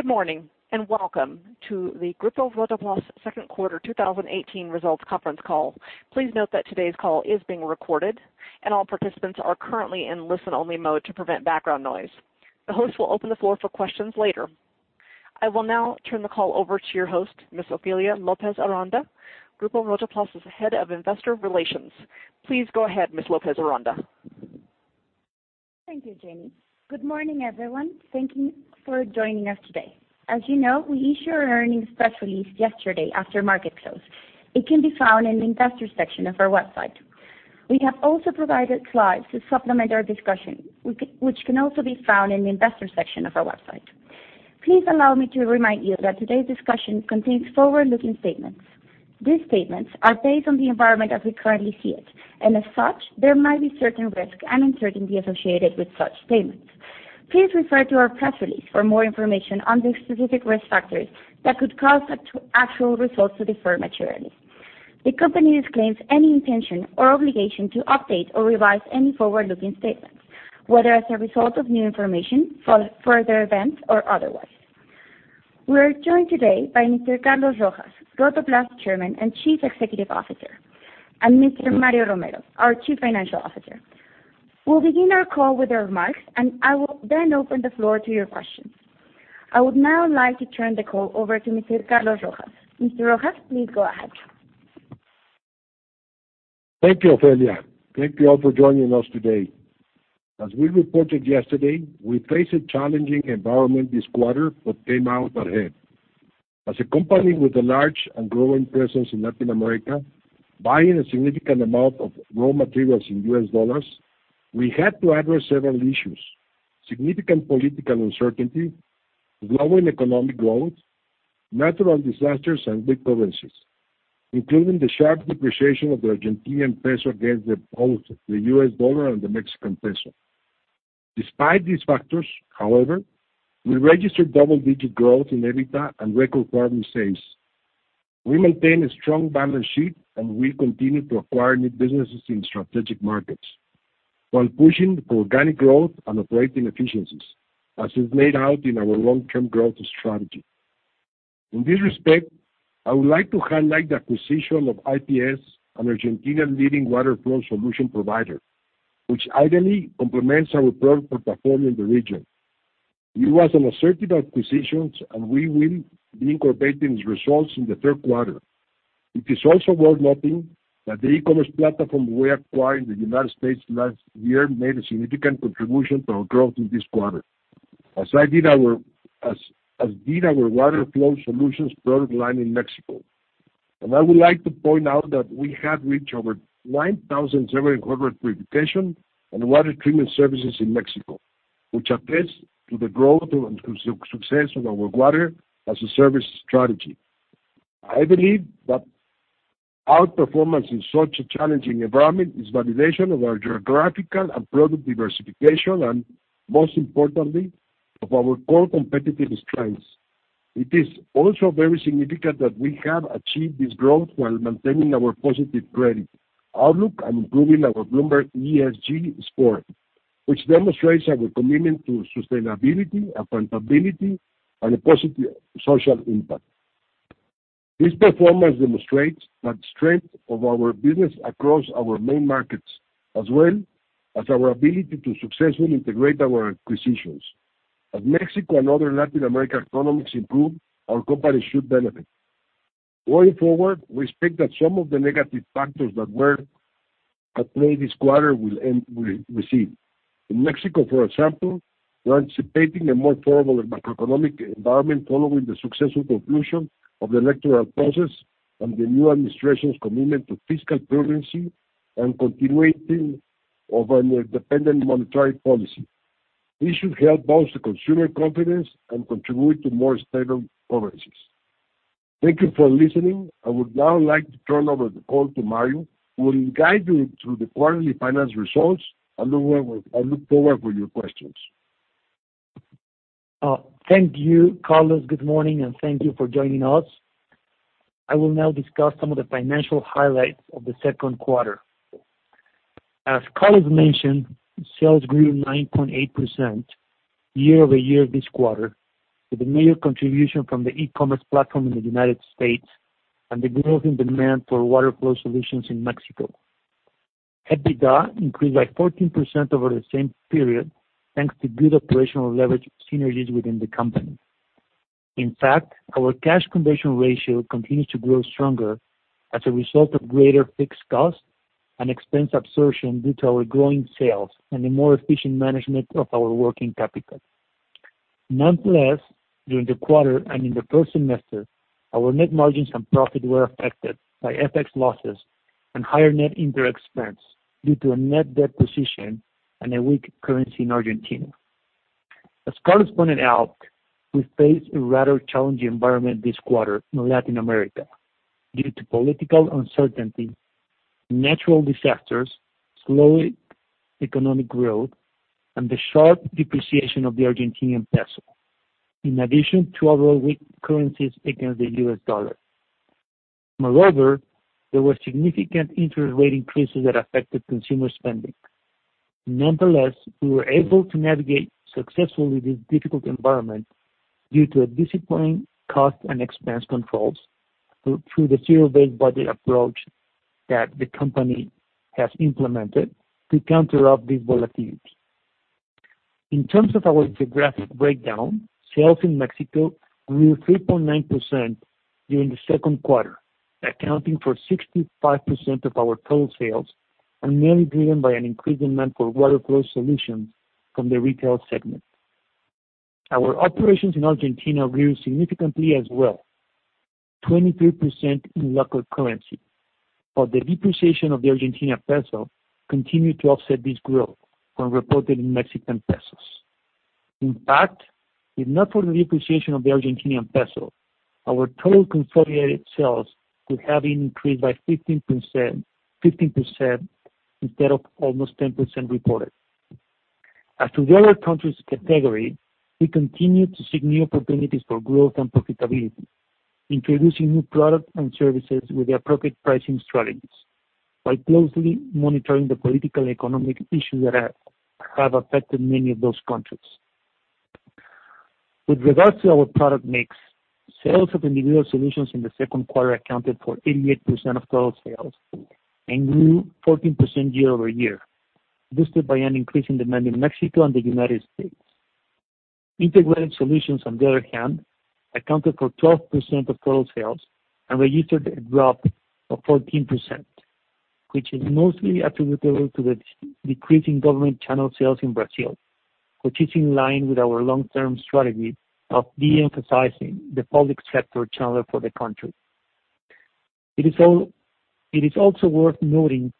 Good morning, and welcome to the Grupo Rotoplas second quarter 2018 results conference call. Please note that today's call is being recorded, and all participants are currently in listen-only mode to prevent background noise. The host will open the floor for questions later. I will now turn the call over to your host, Ms. Ofelia López Aranda, Grupo Rotoplas' Head of Investor Relations. Please go ahead, Ms. López Aranda. Thank you, Jamie. Good morning, everyone. Thank you for joining us today. As you know, we issued our earnings press release yesterday after market close. It can be found in the investor section of our website. We have also provided slides to supplement our discussion, which can also be found in the investor section of our website. Please allow me to remind you that today's discussion contains forward-looking statements. These statements are based on the environment as we currently see it. As such, there might be certain risks and uncertainty associated with such statements. Please refer to our press release for more information on the specific risk factors that could cause actual results to differ materially. The company disclaims any intention or obligation to update or revise any forward-looking statements, whether as a result of new information, further events, or otherwise. We are joined today by Mr. Carlos Rojas, Rotoplas Chairman and Chief Executive Officer, and Mr. Mario Romero, our Chief Financial Officer. We will begin our call with their remarks. I will then open the floor to your questions. I would now like to turn the call over to Mr. Carlos Rojas. Mr. Rojas, please go ahead. Thank you, Ofelia. Thank you all for joining us today. As we reported yesterday, we faced a challenging environment this quarter but came out ahead. As a company with a large and growing presence in Latin America, buying a significant amount of raw materials in US dollars, we had to address several issues: significant political uncertainty, slowing economic growth, natural disasters, and weak currencies, including the sharp depreciation of the Argentine peso against both the US dollar and the Mexican peso. Despite these factors, however, we registered double-digit growth in EBITDA and record quarterly sales. We maintain a strong balance sheet. We continue to acquire new businesses in strategic markets while pushing for organic growth and operating efficiencies, as is laid out in our long-term growth strategy. In this respect, I would like to highlight the acquisition of IPS, an Argentinian leading water flow solution provider, which ideally complements our product portfolio in the region. It was an assertive acquisition. We will be incorporating its results in the third quarter. It is also worth noting that the e-commerce platform we acquired in the U.S. last year made a significant contribution to our growth in this quarter, as did our water flow solutions product line in Mexico. I would like to point out that we have reached over 9,700 purification and water treatment services in Mexico, which attests to the growth and success of our Water-as-a-Service strategy. I believe that our performance in such a challenging environment is validation of our geographical and product diversification and, most importantly, of our core competitive strengths. It is also very significant that we have achieved this growth while maintaining our positive credit outlook and improving our Bloomberg ESG score, which demonstrates our commitment to sustainability, accountability, and a positive social impact. This performance demonstrates the strength of our business across our main markets, as well as our ability to successfully integrate our acquisitions. As Mexico and other Latin American economies improve, our company should benefit. Going forward, we expect that some of the negative factors that were at play this quarter will recede. In Mexico, for example, we are anticipating a more favorable macroeconomic environment following the successful conclusion of the electoral process and the new administration's commitment to fiscal prudence and continuing of an independent monetary policy. This should help boost consumer confidence and contribute to more stable currencies. Thank you for listening. I would now like to turn over the call to Mario, who will guide you through the quarterly finance results. I look forward to your questions. Thank you, Carlos. Good morning. Thank you for joining us. I will now discuss some of the financial highlights of the second quarter. As Carlos mentioned, sales grew 9.8% year-over-year this quarter, with a major contribution from the e-commerce platform in the U.S. and the growth in demand for water flow solutions in Mexico. EBITDA increased by 14% over the same period, thanks to good operational leverage synergies within the company. In fact, our cash conversion ratio continues to grow stronger as a result of greater fixed costs and expense absorption due to our growing sales and the more efficient management of our working capital. Nonetheless, during the quarter and in the first semester, our net margins and profit were affected by FX losses and higher net interest expense due to a net debt position and a weak currency in Argentina. As Carlos pointed out, we faced a rather challenging environment this quarter in Latin America due to political uncertainty, natural disasters, slow economic growth, and the sharp depreciation of the Argentine peso, in addition to other weak currencies against the US dollar. Moreover, there were significant interest rate increases that affected consumer spending. Nonetheless, we were able to navigate successfully this difficult environment due to disciplined cost and expense controls through the zero-based budget approach that the company has implemented to counter these volatilities. In terms of our geographic breakdown, sales in Mexico grew 3.9% during the second quarter, accounting for 65% of our total sales and mainly driven by an increased demand for water flow solutions from the retail segment. Our operations in Argentina grew significantly as well, 23% in local currency. But the depreciation of the Argentine peso continued to offset this growth when reported in Mexican pesos. In fact, if not for the depreciation of the Argentine peso, our total consolidated sales would have increased by 15% instead of almost 10% reported. As to the other countries category, we continue to seek new opportunities for growth and profitability, introducing new products and services with the appropriate pricing strategies, while closely monitoring the political economic issues that have affected many of those countries. With regards to our product mix, sales of Individual Solutions in the second quarter accounted for 88% of total sales and grew 14% year-over-year, boosted by an increase in demand in Mexico and the United States. Integrated Solutions, on the other hand, accounted for 12% of total sales and registered a drop of 14%, which is mostly attributable to the decrease in government channel sales in Brazil, which is in line with our long-term strategy of de-emphasizing the public sector channel for the country. It is also worth noting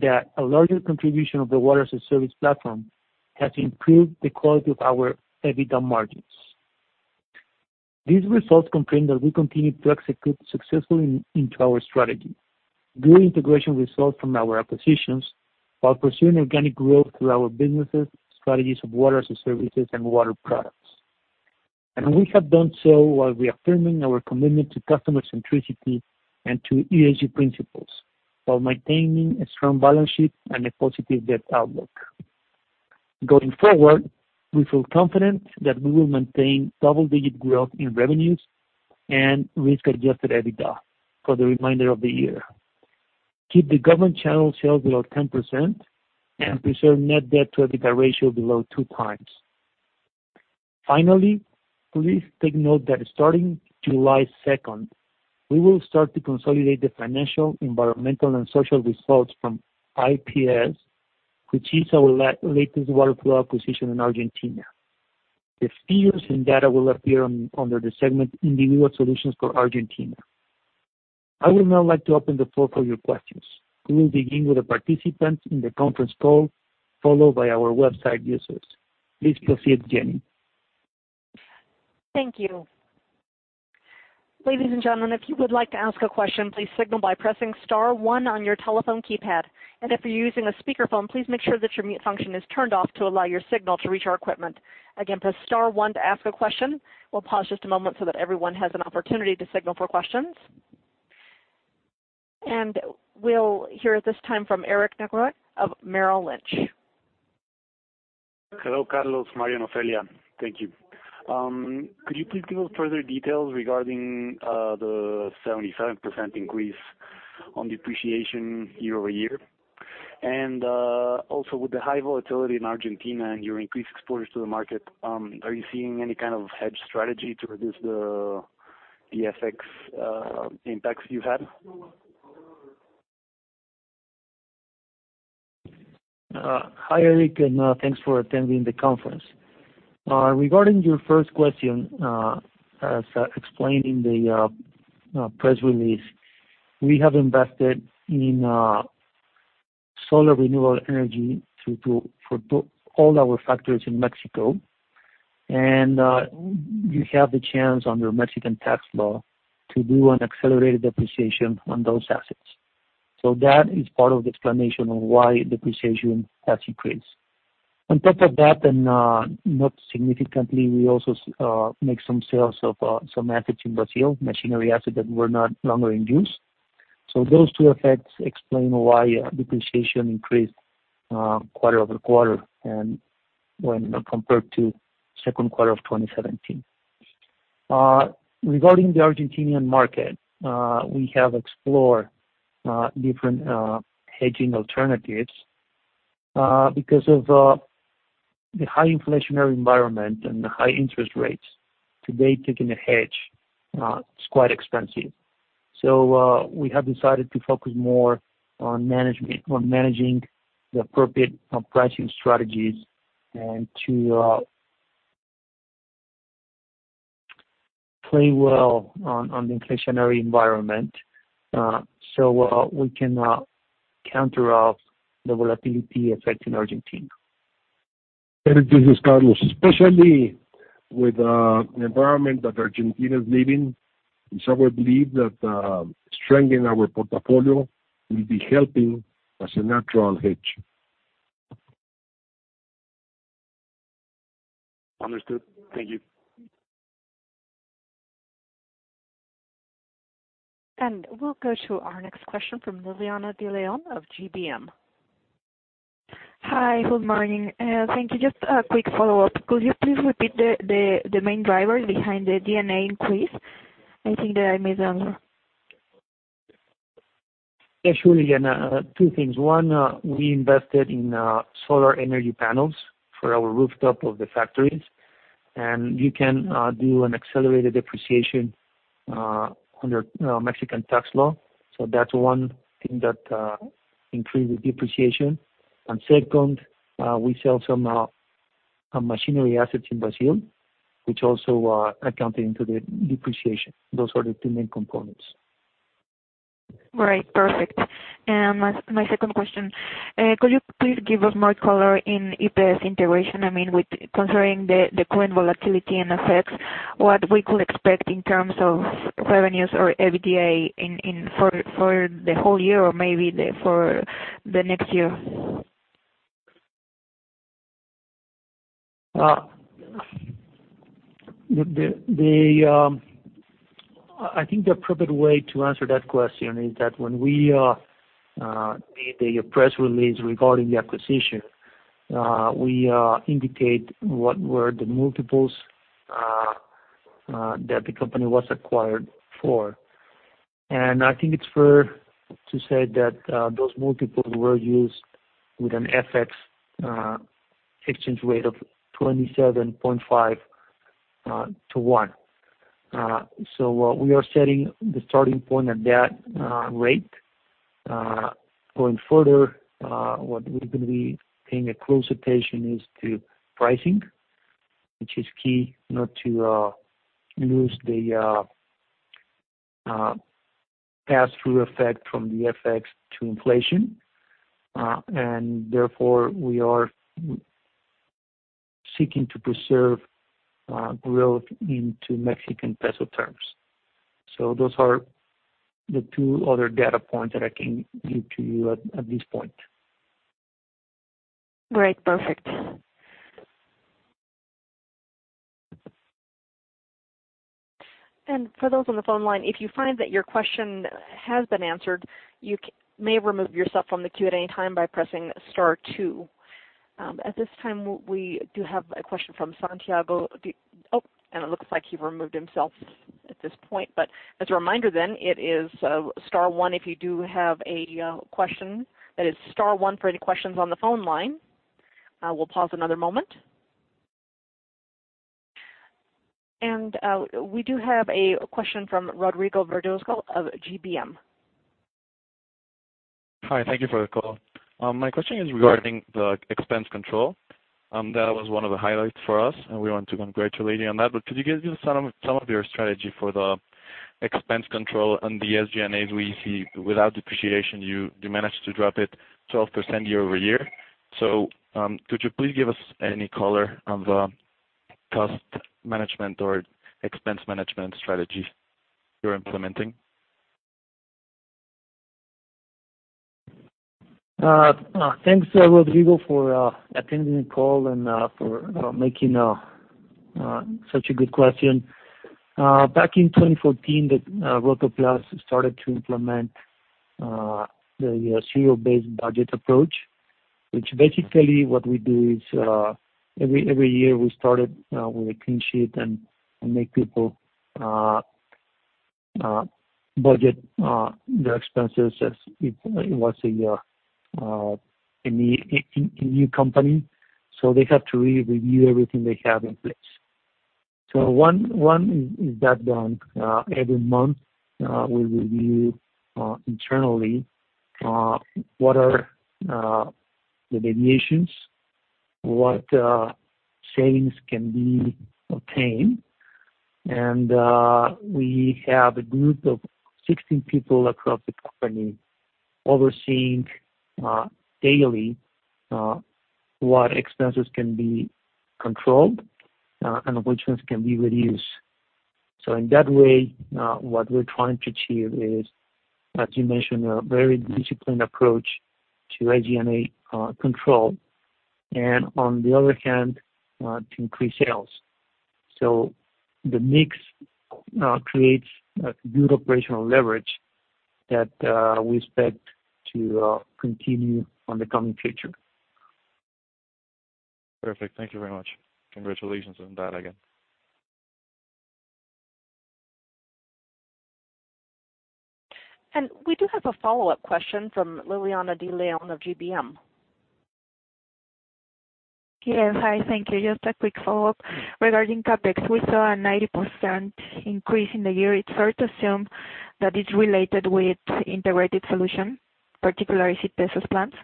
that a larger contribution of the Water-as-a-Service platform has improved the quality of our EBITDA margins. These results confirm that we continue to execute successfully into our strategy, good integration results from our acquisitions, while pursuing organic growth through our businesses, strategies of Water-as-a-Service and water products. And we have done so while reaffirming our commitment to customer centricity and to ESG principles, while maintaining a strong balance sheet and a positive debt outlook. Going forward, we feel confident that we will maintain double-digit growth in revenues and risk-adjusted EBITDA for the remainder of the year, keep the government channel sales below 10%, and preserve net debt to EBITDA ratio below 2x. Finally, please take note that starting July 2nd, we will start to consolidate the financial, environmental, and social results from IPS, which is our latest water flow acquisition in Argentina. The figures and data will appear under the segment Individual Solutions for Argentina. I would now like to open the floor for your questions. We will begin with the participants in the conference call, followed by our website users. Please proceed, Jamie. Thank you. Ladies and gentlemen, if you would like to ask a question, please signal by pressing star one on your telephone keypad. If you're using a speakerphone, please make sure that your mute function is turned off to allow your signal to reach our equipment. Again, press star one to ask a question. We'll pause just a moment so that everyone has an opportunity to signal for questions. We'll hear at this time from Eric Necoechea of Merrill Lynch. Hello, Carlos, Mario, Ofelia. Thank you. Could you please give us further details regarding the 77% increase on depreciation year-over-year? Also, with the high volatility in Argentina and your increased exposure to the market, are you seeing any kind of hedge strategy to reduce the FX impacts you've had? Hi, Eric, thanks for attending the conference. Regarding your first question, as explained in the press release, we have invested in solar renewable energy for all our factories in Mexico, you have the chance under Mexican tax law to do an accelerated depreciation on those assets. That is part of the explanation on why depreciation has increased. On top of that, not significantly, we also make some sales of some assets in Brazil, machinery assets that were no longer in use. Those two effects explain why depreciation increased quarter-over-quarter and when compared to second quarter of 2017. Regarding the Argentinian market, we have explored different hedging alternatives. Because of the high inflationary environment and the high interest rates, today, taking a hedge is quite expensive. We have decided to focus more on managing the appropriate pricing strategies and to play well on the inflationary environment, we can counter the volatility affecting Argentina. Eric, this is Carlos. Especially with the environment that Argentina is living, it's our belief that strengthening our portfolio will be helping as a natural hedge Understood. Thank you. We'll go to our next question from Liliana De Leon of GBM. Hi, good morning. Thank you. Just a quick follow-up. Could you please repeat the main drivers behind the D&A increase? Sure, Liliana. Two things. One, we invested in solar energy panels for our rooftop of the factories, you can do an accelerated depreciation under Mexican tax law. That is one thing that increased the depreciation. Second, we sell some machinery assets in Brazil, which also accounting to the depreciation. Those are the two main components. Right. Perfect. My second question. Could you please give us more color in IPS integration? Considering the current volatility and effects, what we could expect in terms of revenues or EBITDA for the whole year or maybe for the next year? I think the appropriate way to answer that question is that when we did the press release regarding the acquisition, we indicate what were the multiples that the company was acquired for. I think it is fair to say that those multiples were used with an FX exchange rate of 27.5 to one. We are setting the starting point at that rate. Going further, what we are going to be paying close attention is to pricing, which is key not to lose the pass-through effect from the FX to inflation. Therefore, we are seeking to preserve growth into Mexican peso terms. Those are the two other data points that I can give to you at this point. Right. Perfect. For those on the phone line, if you find that your question has been answered, you may remove yourself from the queue at any time by pressing star two. At this time, we do have a question from Santiago. It looks like he removed himself at this point. As a reminder then, it is star one if you do have a question. That is star one for any questions on the phone line. We will pause another moment. We do have a question from Rodrigo Verduzco of GBM. Hi. Thank you for the call. My question is regarding the expense control. That was one of the highlights for us, and we want to congratulate you on that. Could you give us some of your strategy for the expense control on the SG&A? We see without depreciation, you managed to drop it 12% year-over-year. Could you please give us any color on the cost management or expense management strategy you are implementing? Thanks, Rodrigo, for attending the call and for making such a good question. Back in 2014, Rotoplas started to implement the zero-based budget approach, which basically what we do is, every year we start it with a clean sheet and make people budget their expenses as it was a new company. They have to review everything they have in place. One is that every month, we review internally what are the deviations, what savings can be obtained. We have a group of 16 people across the company overseeing daily what expenses can be controlled and which ones can be reduced. In that way, what we are trying to achieve is, as you mentioned, a very disciplined approach to SG&A control and on the other hand, to increase sales. The mix creates a good operational leverage that we expect to continue on the coming future. Perfect. Thank you very much. Congratulations on that again. We do have a follow-up question from Liliana De Leon of GBM. Yes. Hi, thank you. Just a quick follow-up regarding CapEx. We saw a 90% increase in the year. It's fair to assume that it's related with Integrated Solutions, particularly Sytesa's plants?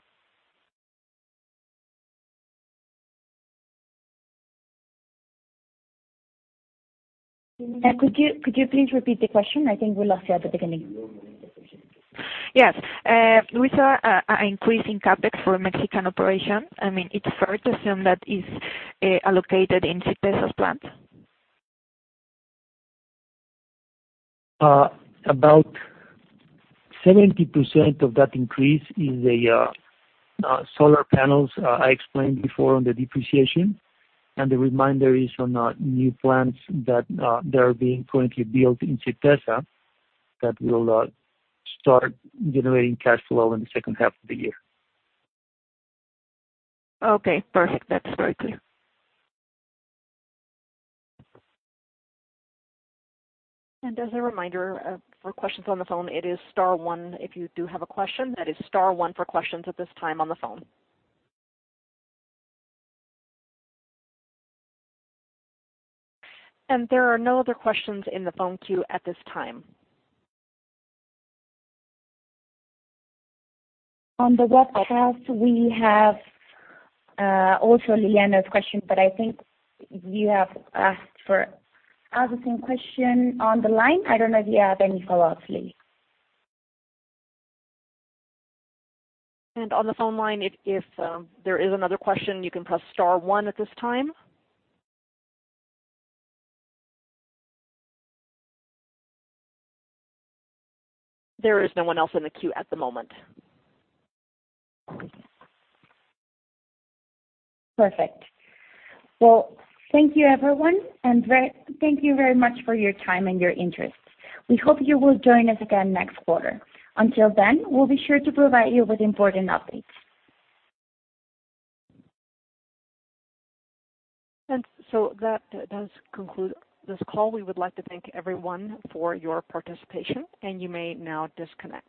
Could you please repeat the question? I think we lost you at the beginning. Yes. We saw an increase in CapEx for Mexican operations. It's fair to assume that it's allocated in Sytesa's plants? About 70% of that increase is the solar panels I explained before on the depreciation. The remainder is on new plants that are being currently built in Sytesa that will start generating cash flow in the second half of the year. Okay, perfect. That's very clear. As a reminder, for questions on the phone, it is star one if you do have a question. That is star one for questions at this time on the phone. There are no other questions in the phone queue at this time. On the webcast, we have also Liliana's question. I think you have asked for the same question on the line. I don't know if you have any follow-ups, Lily. On the phone line, if there is another question, you can press star one at this time. There is no one else in the queue at the moment. Perfect. Well, thank you, everyone, and thank you very much for your time and your interest. We hope you will join us again next quarter. Until then, we'll be sure to provide you with important updates. That does conclude this call. We would like to thank everyone for your participation, and you may now disconnect.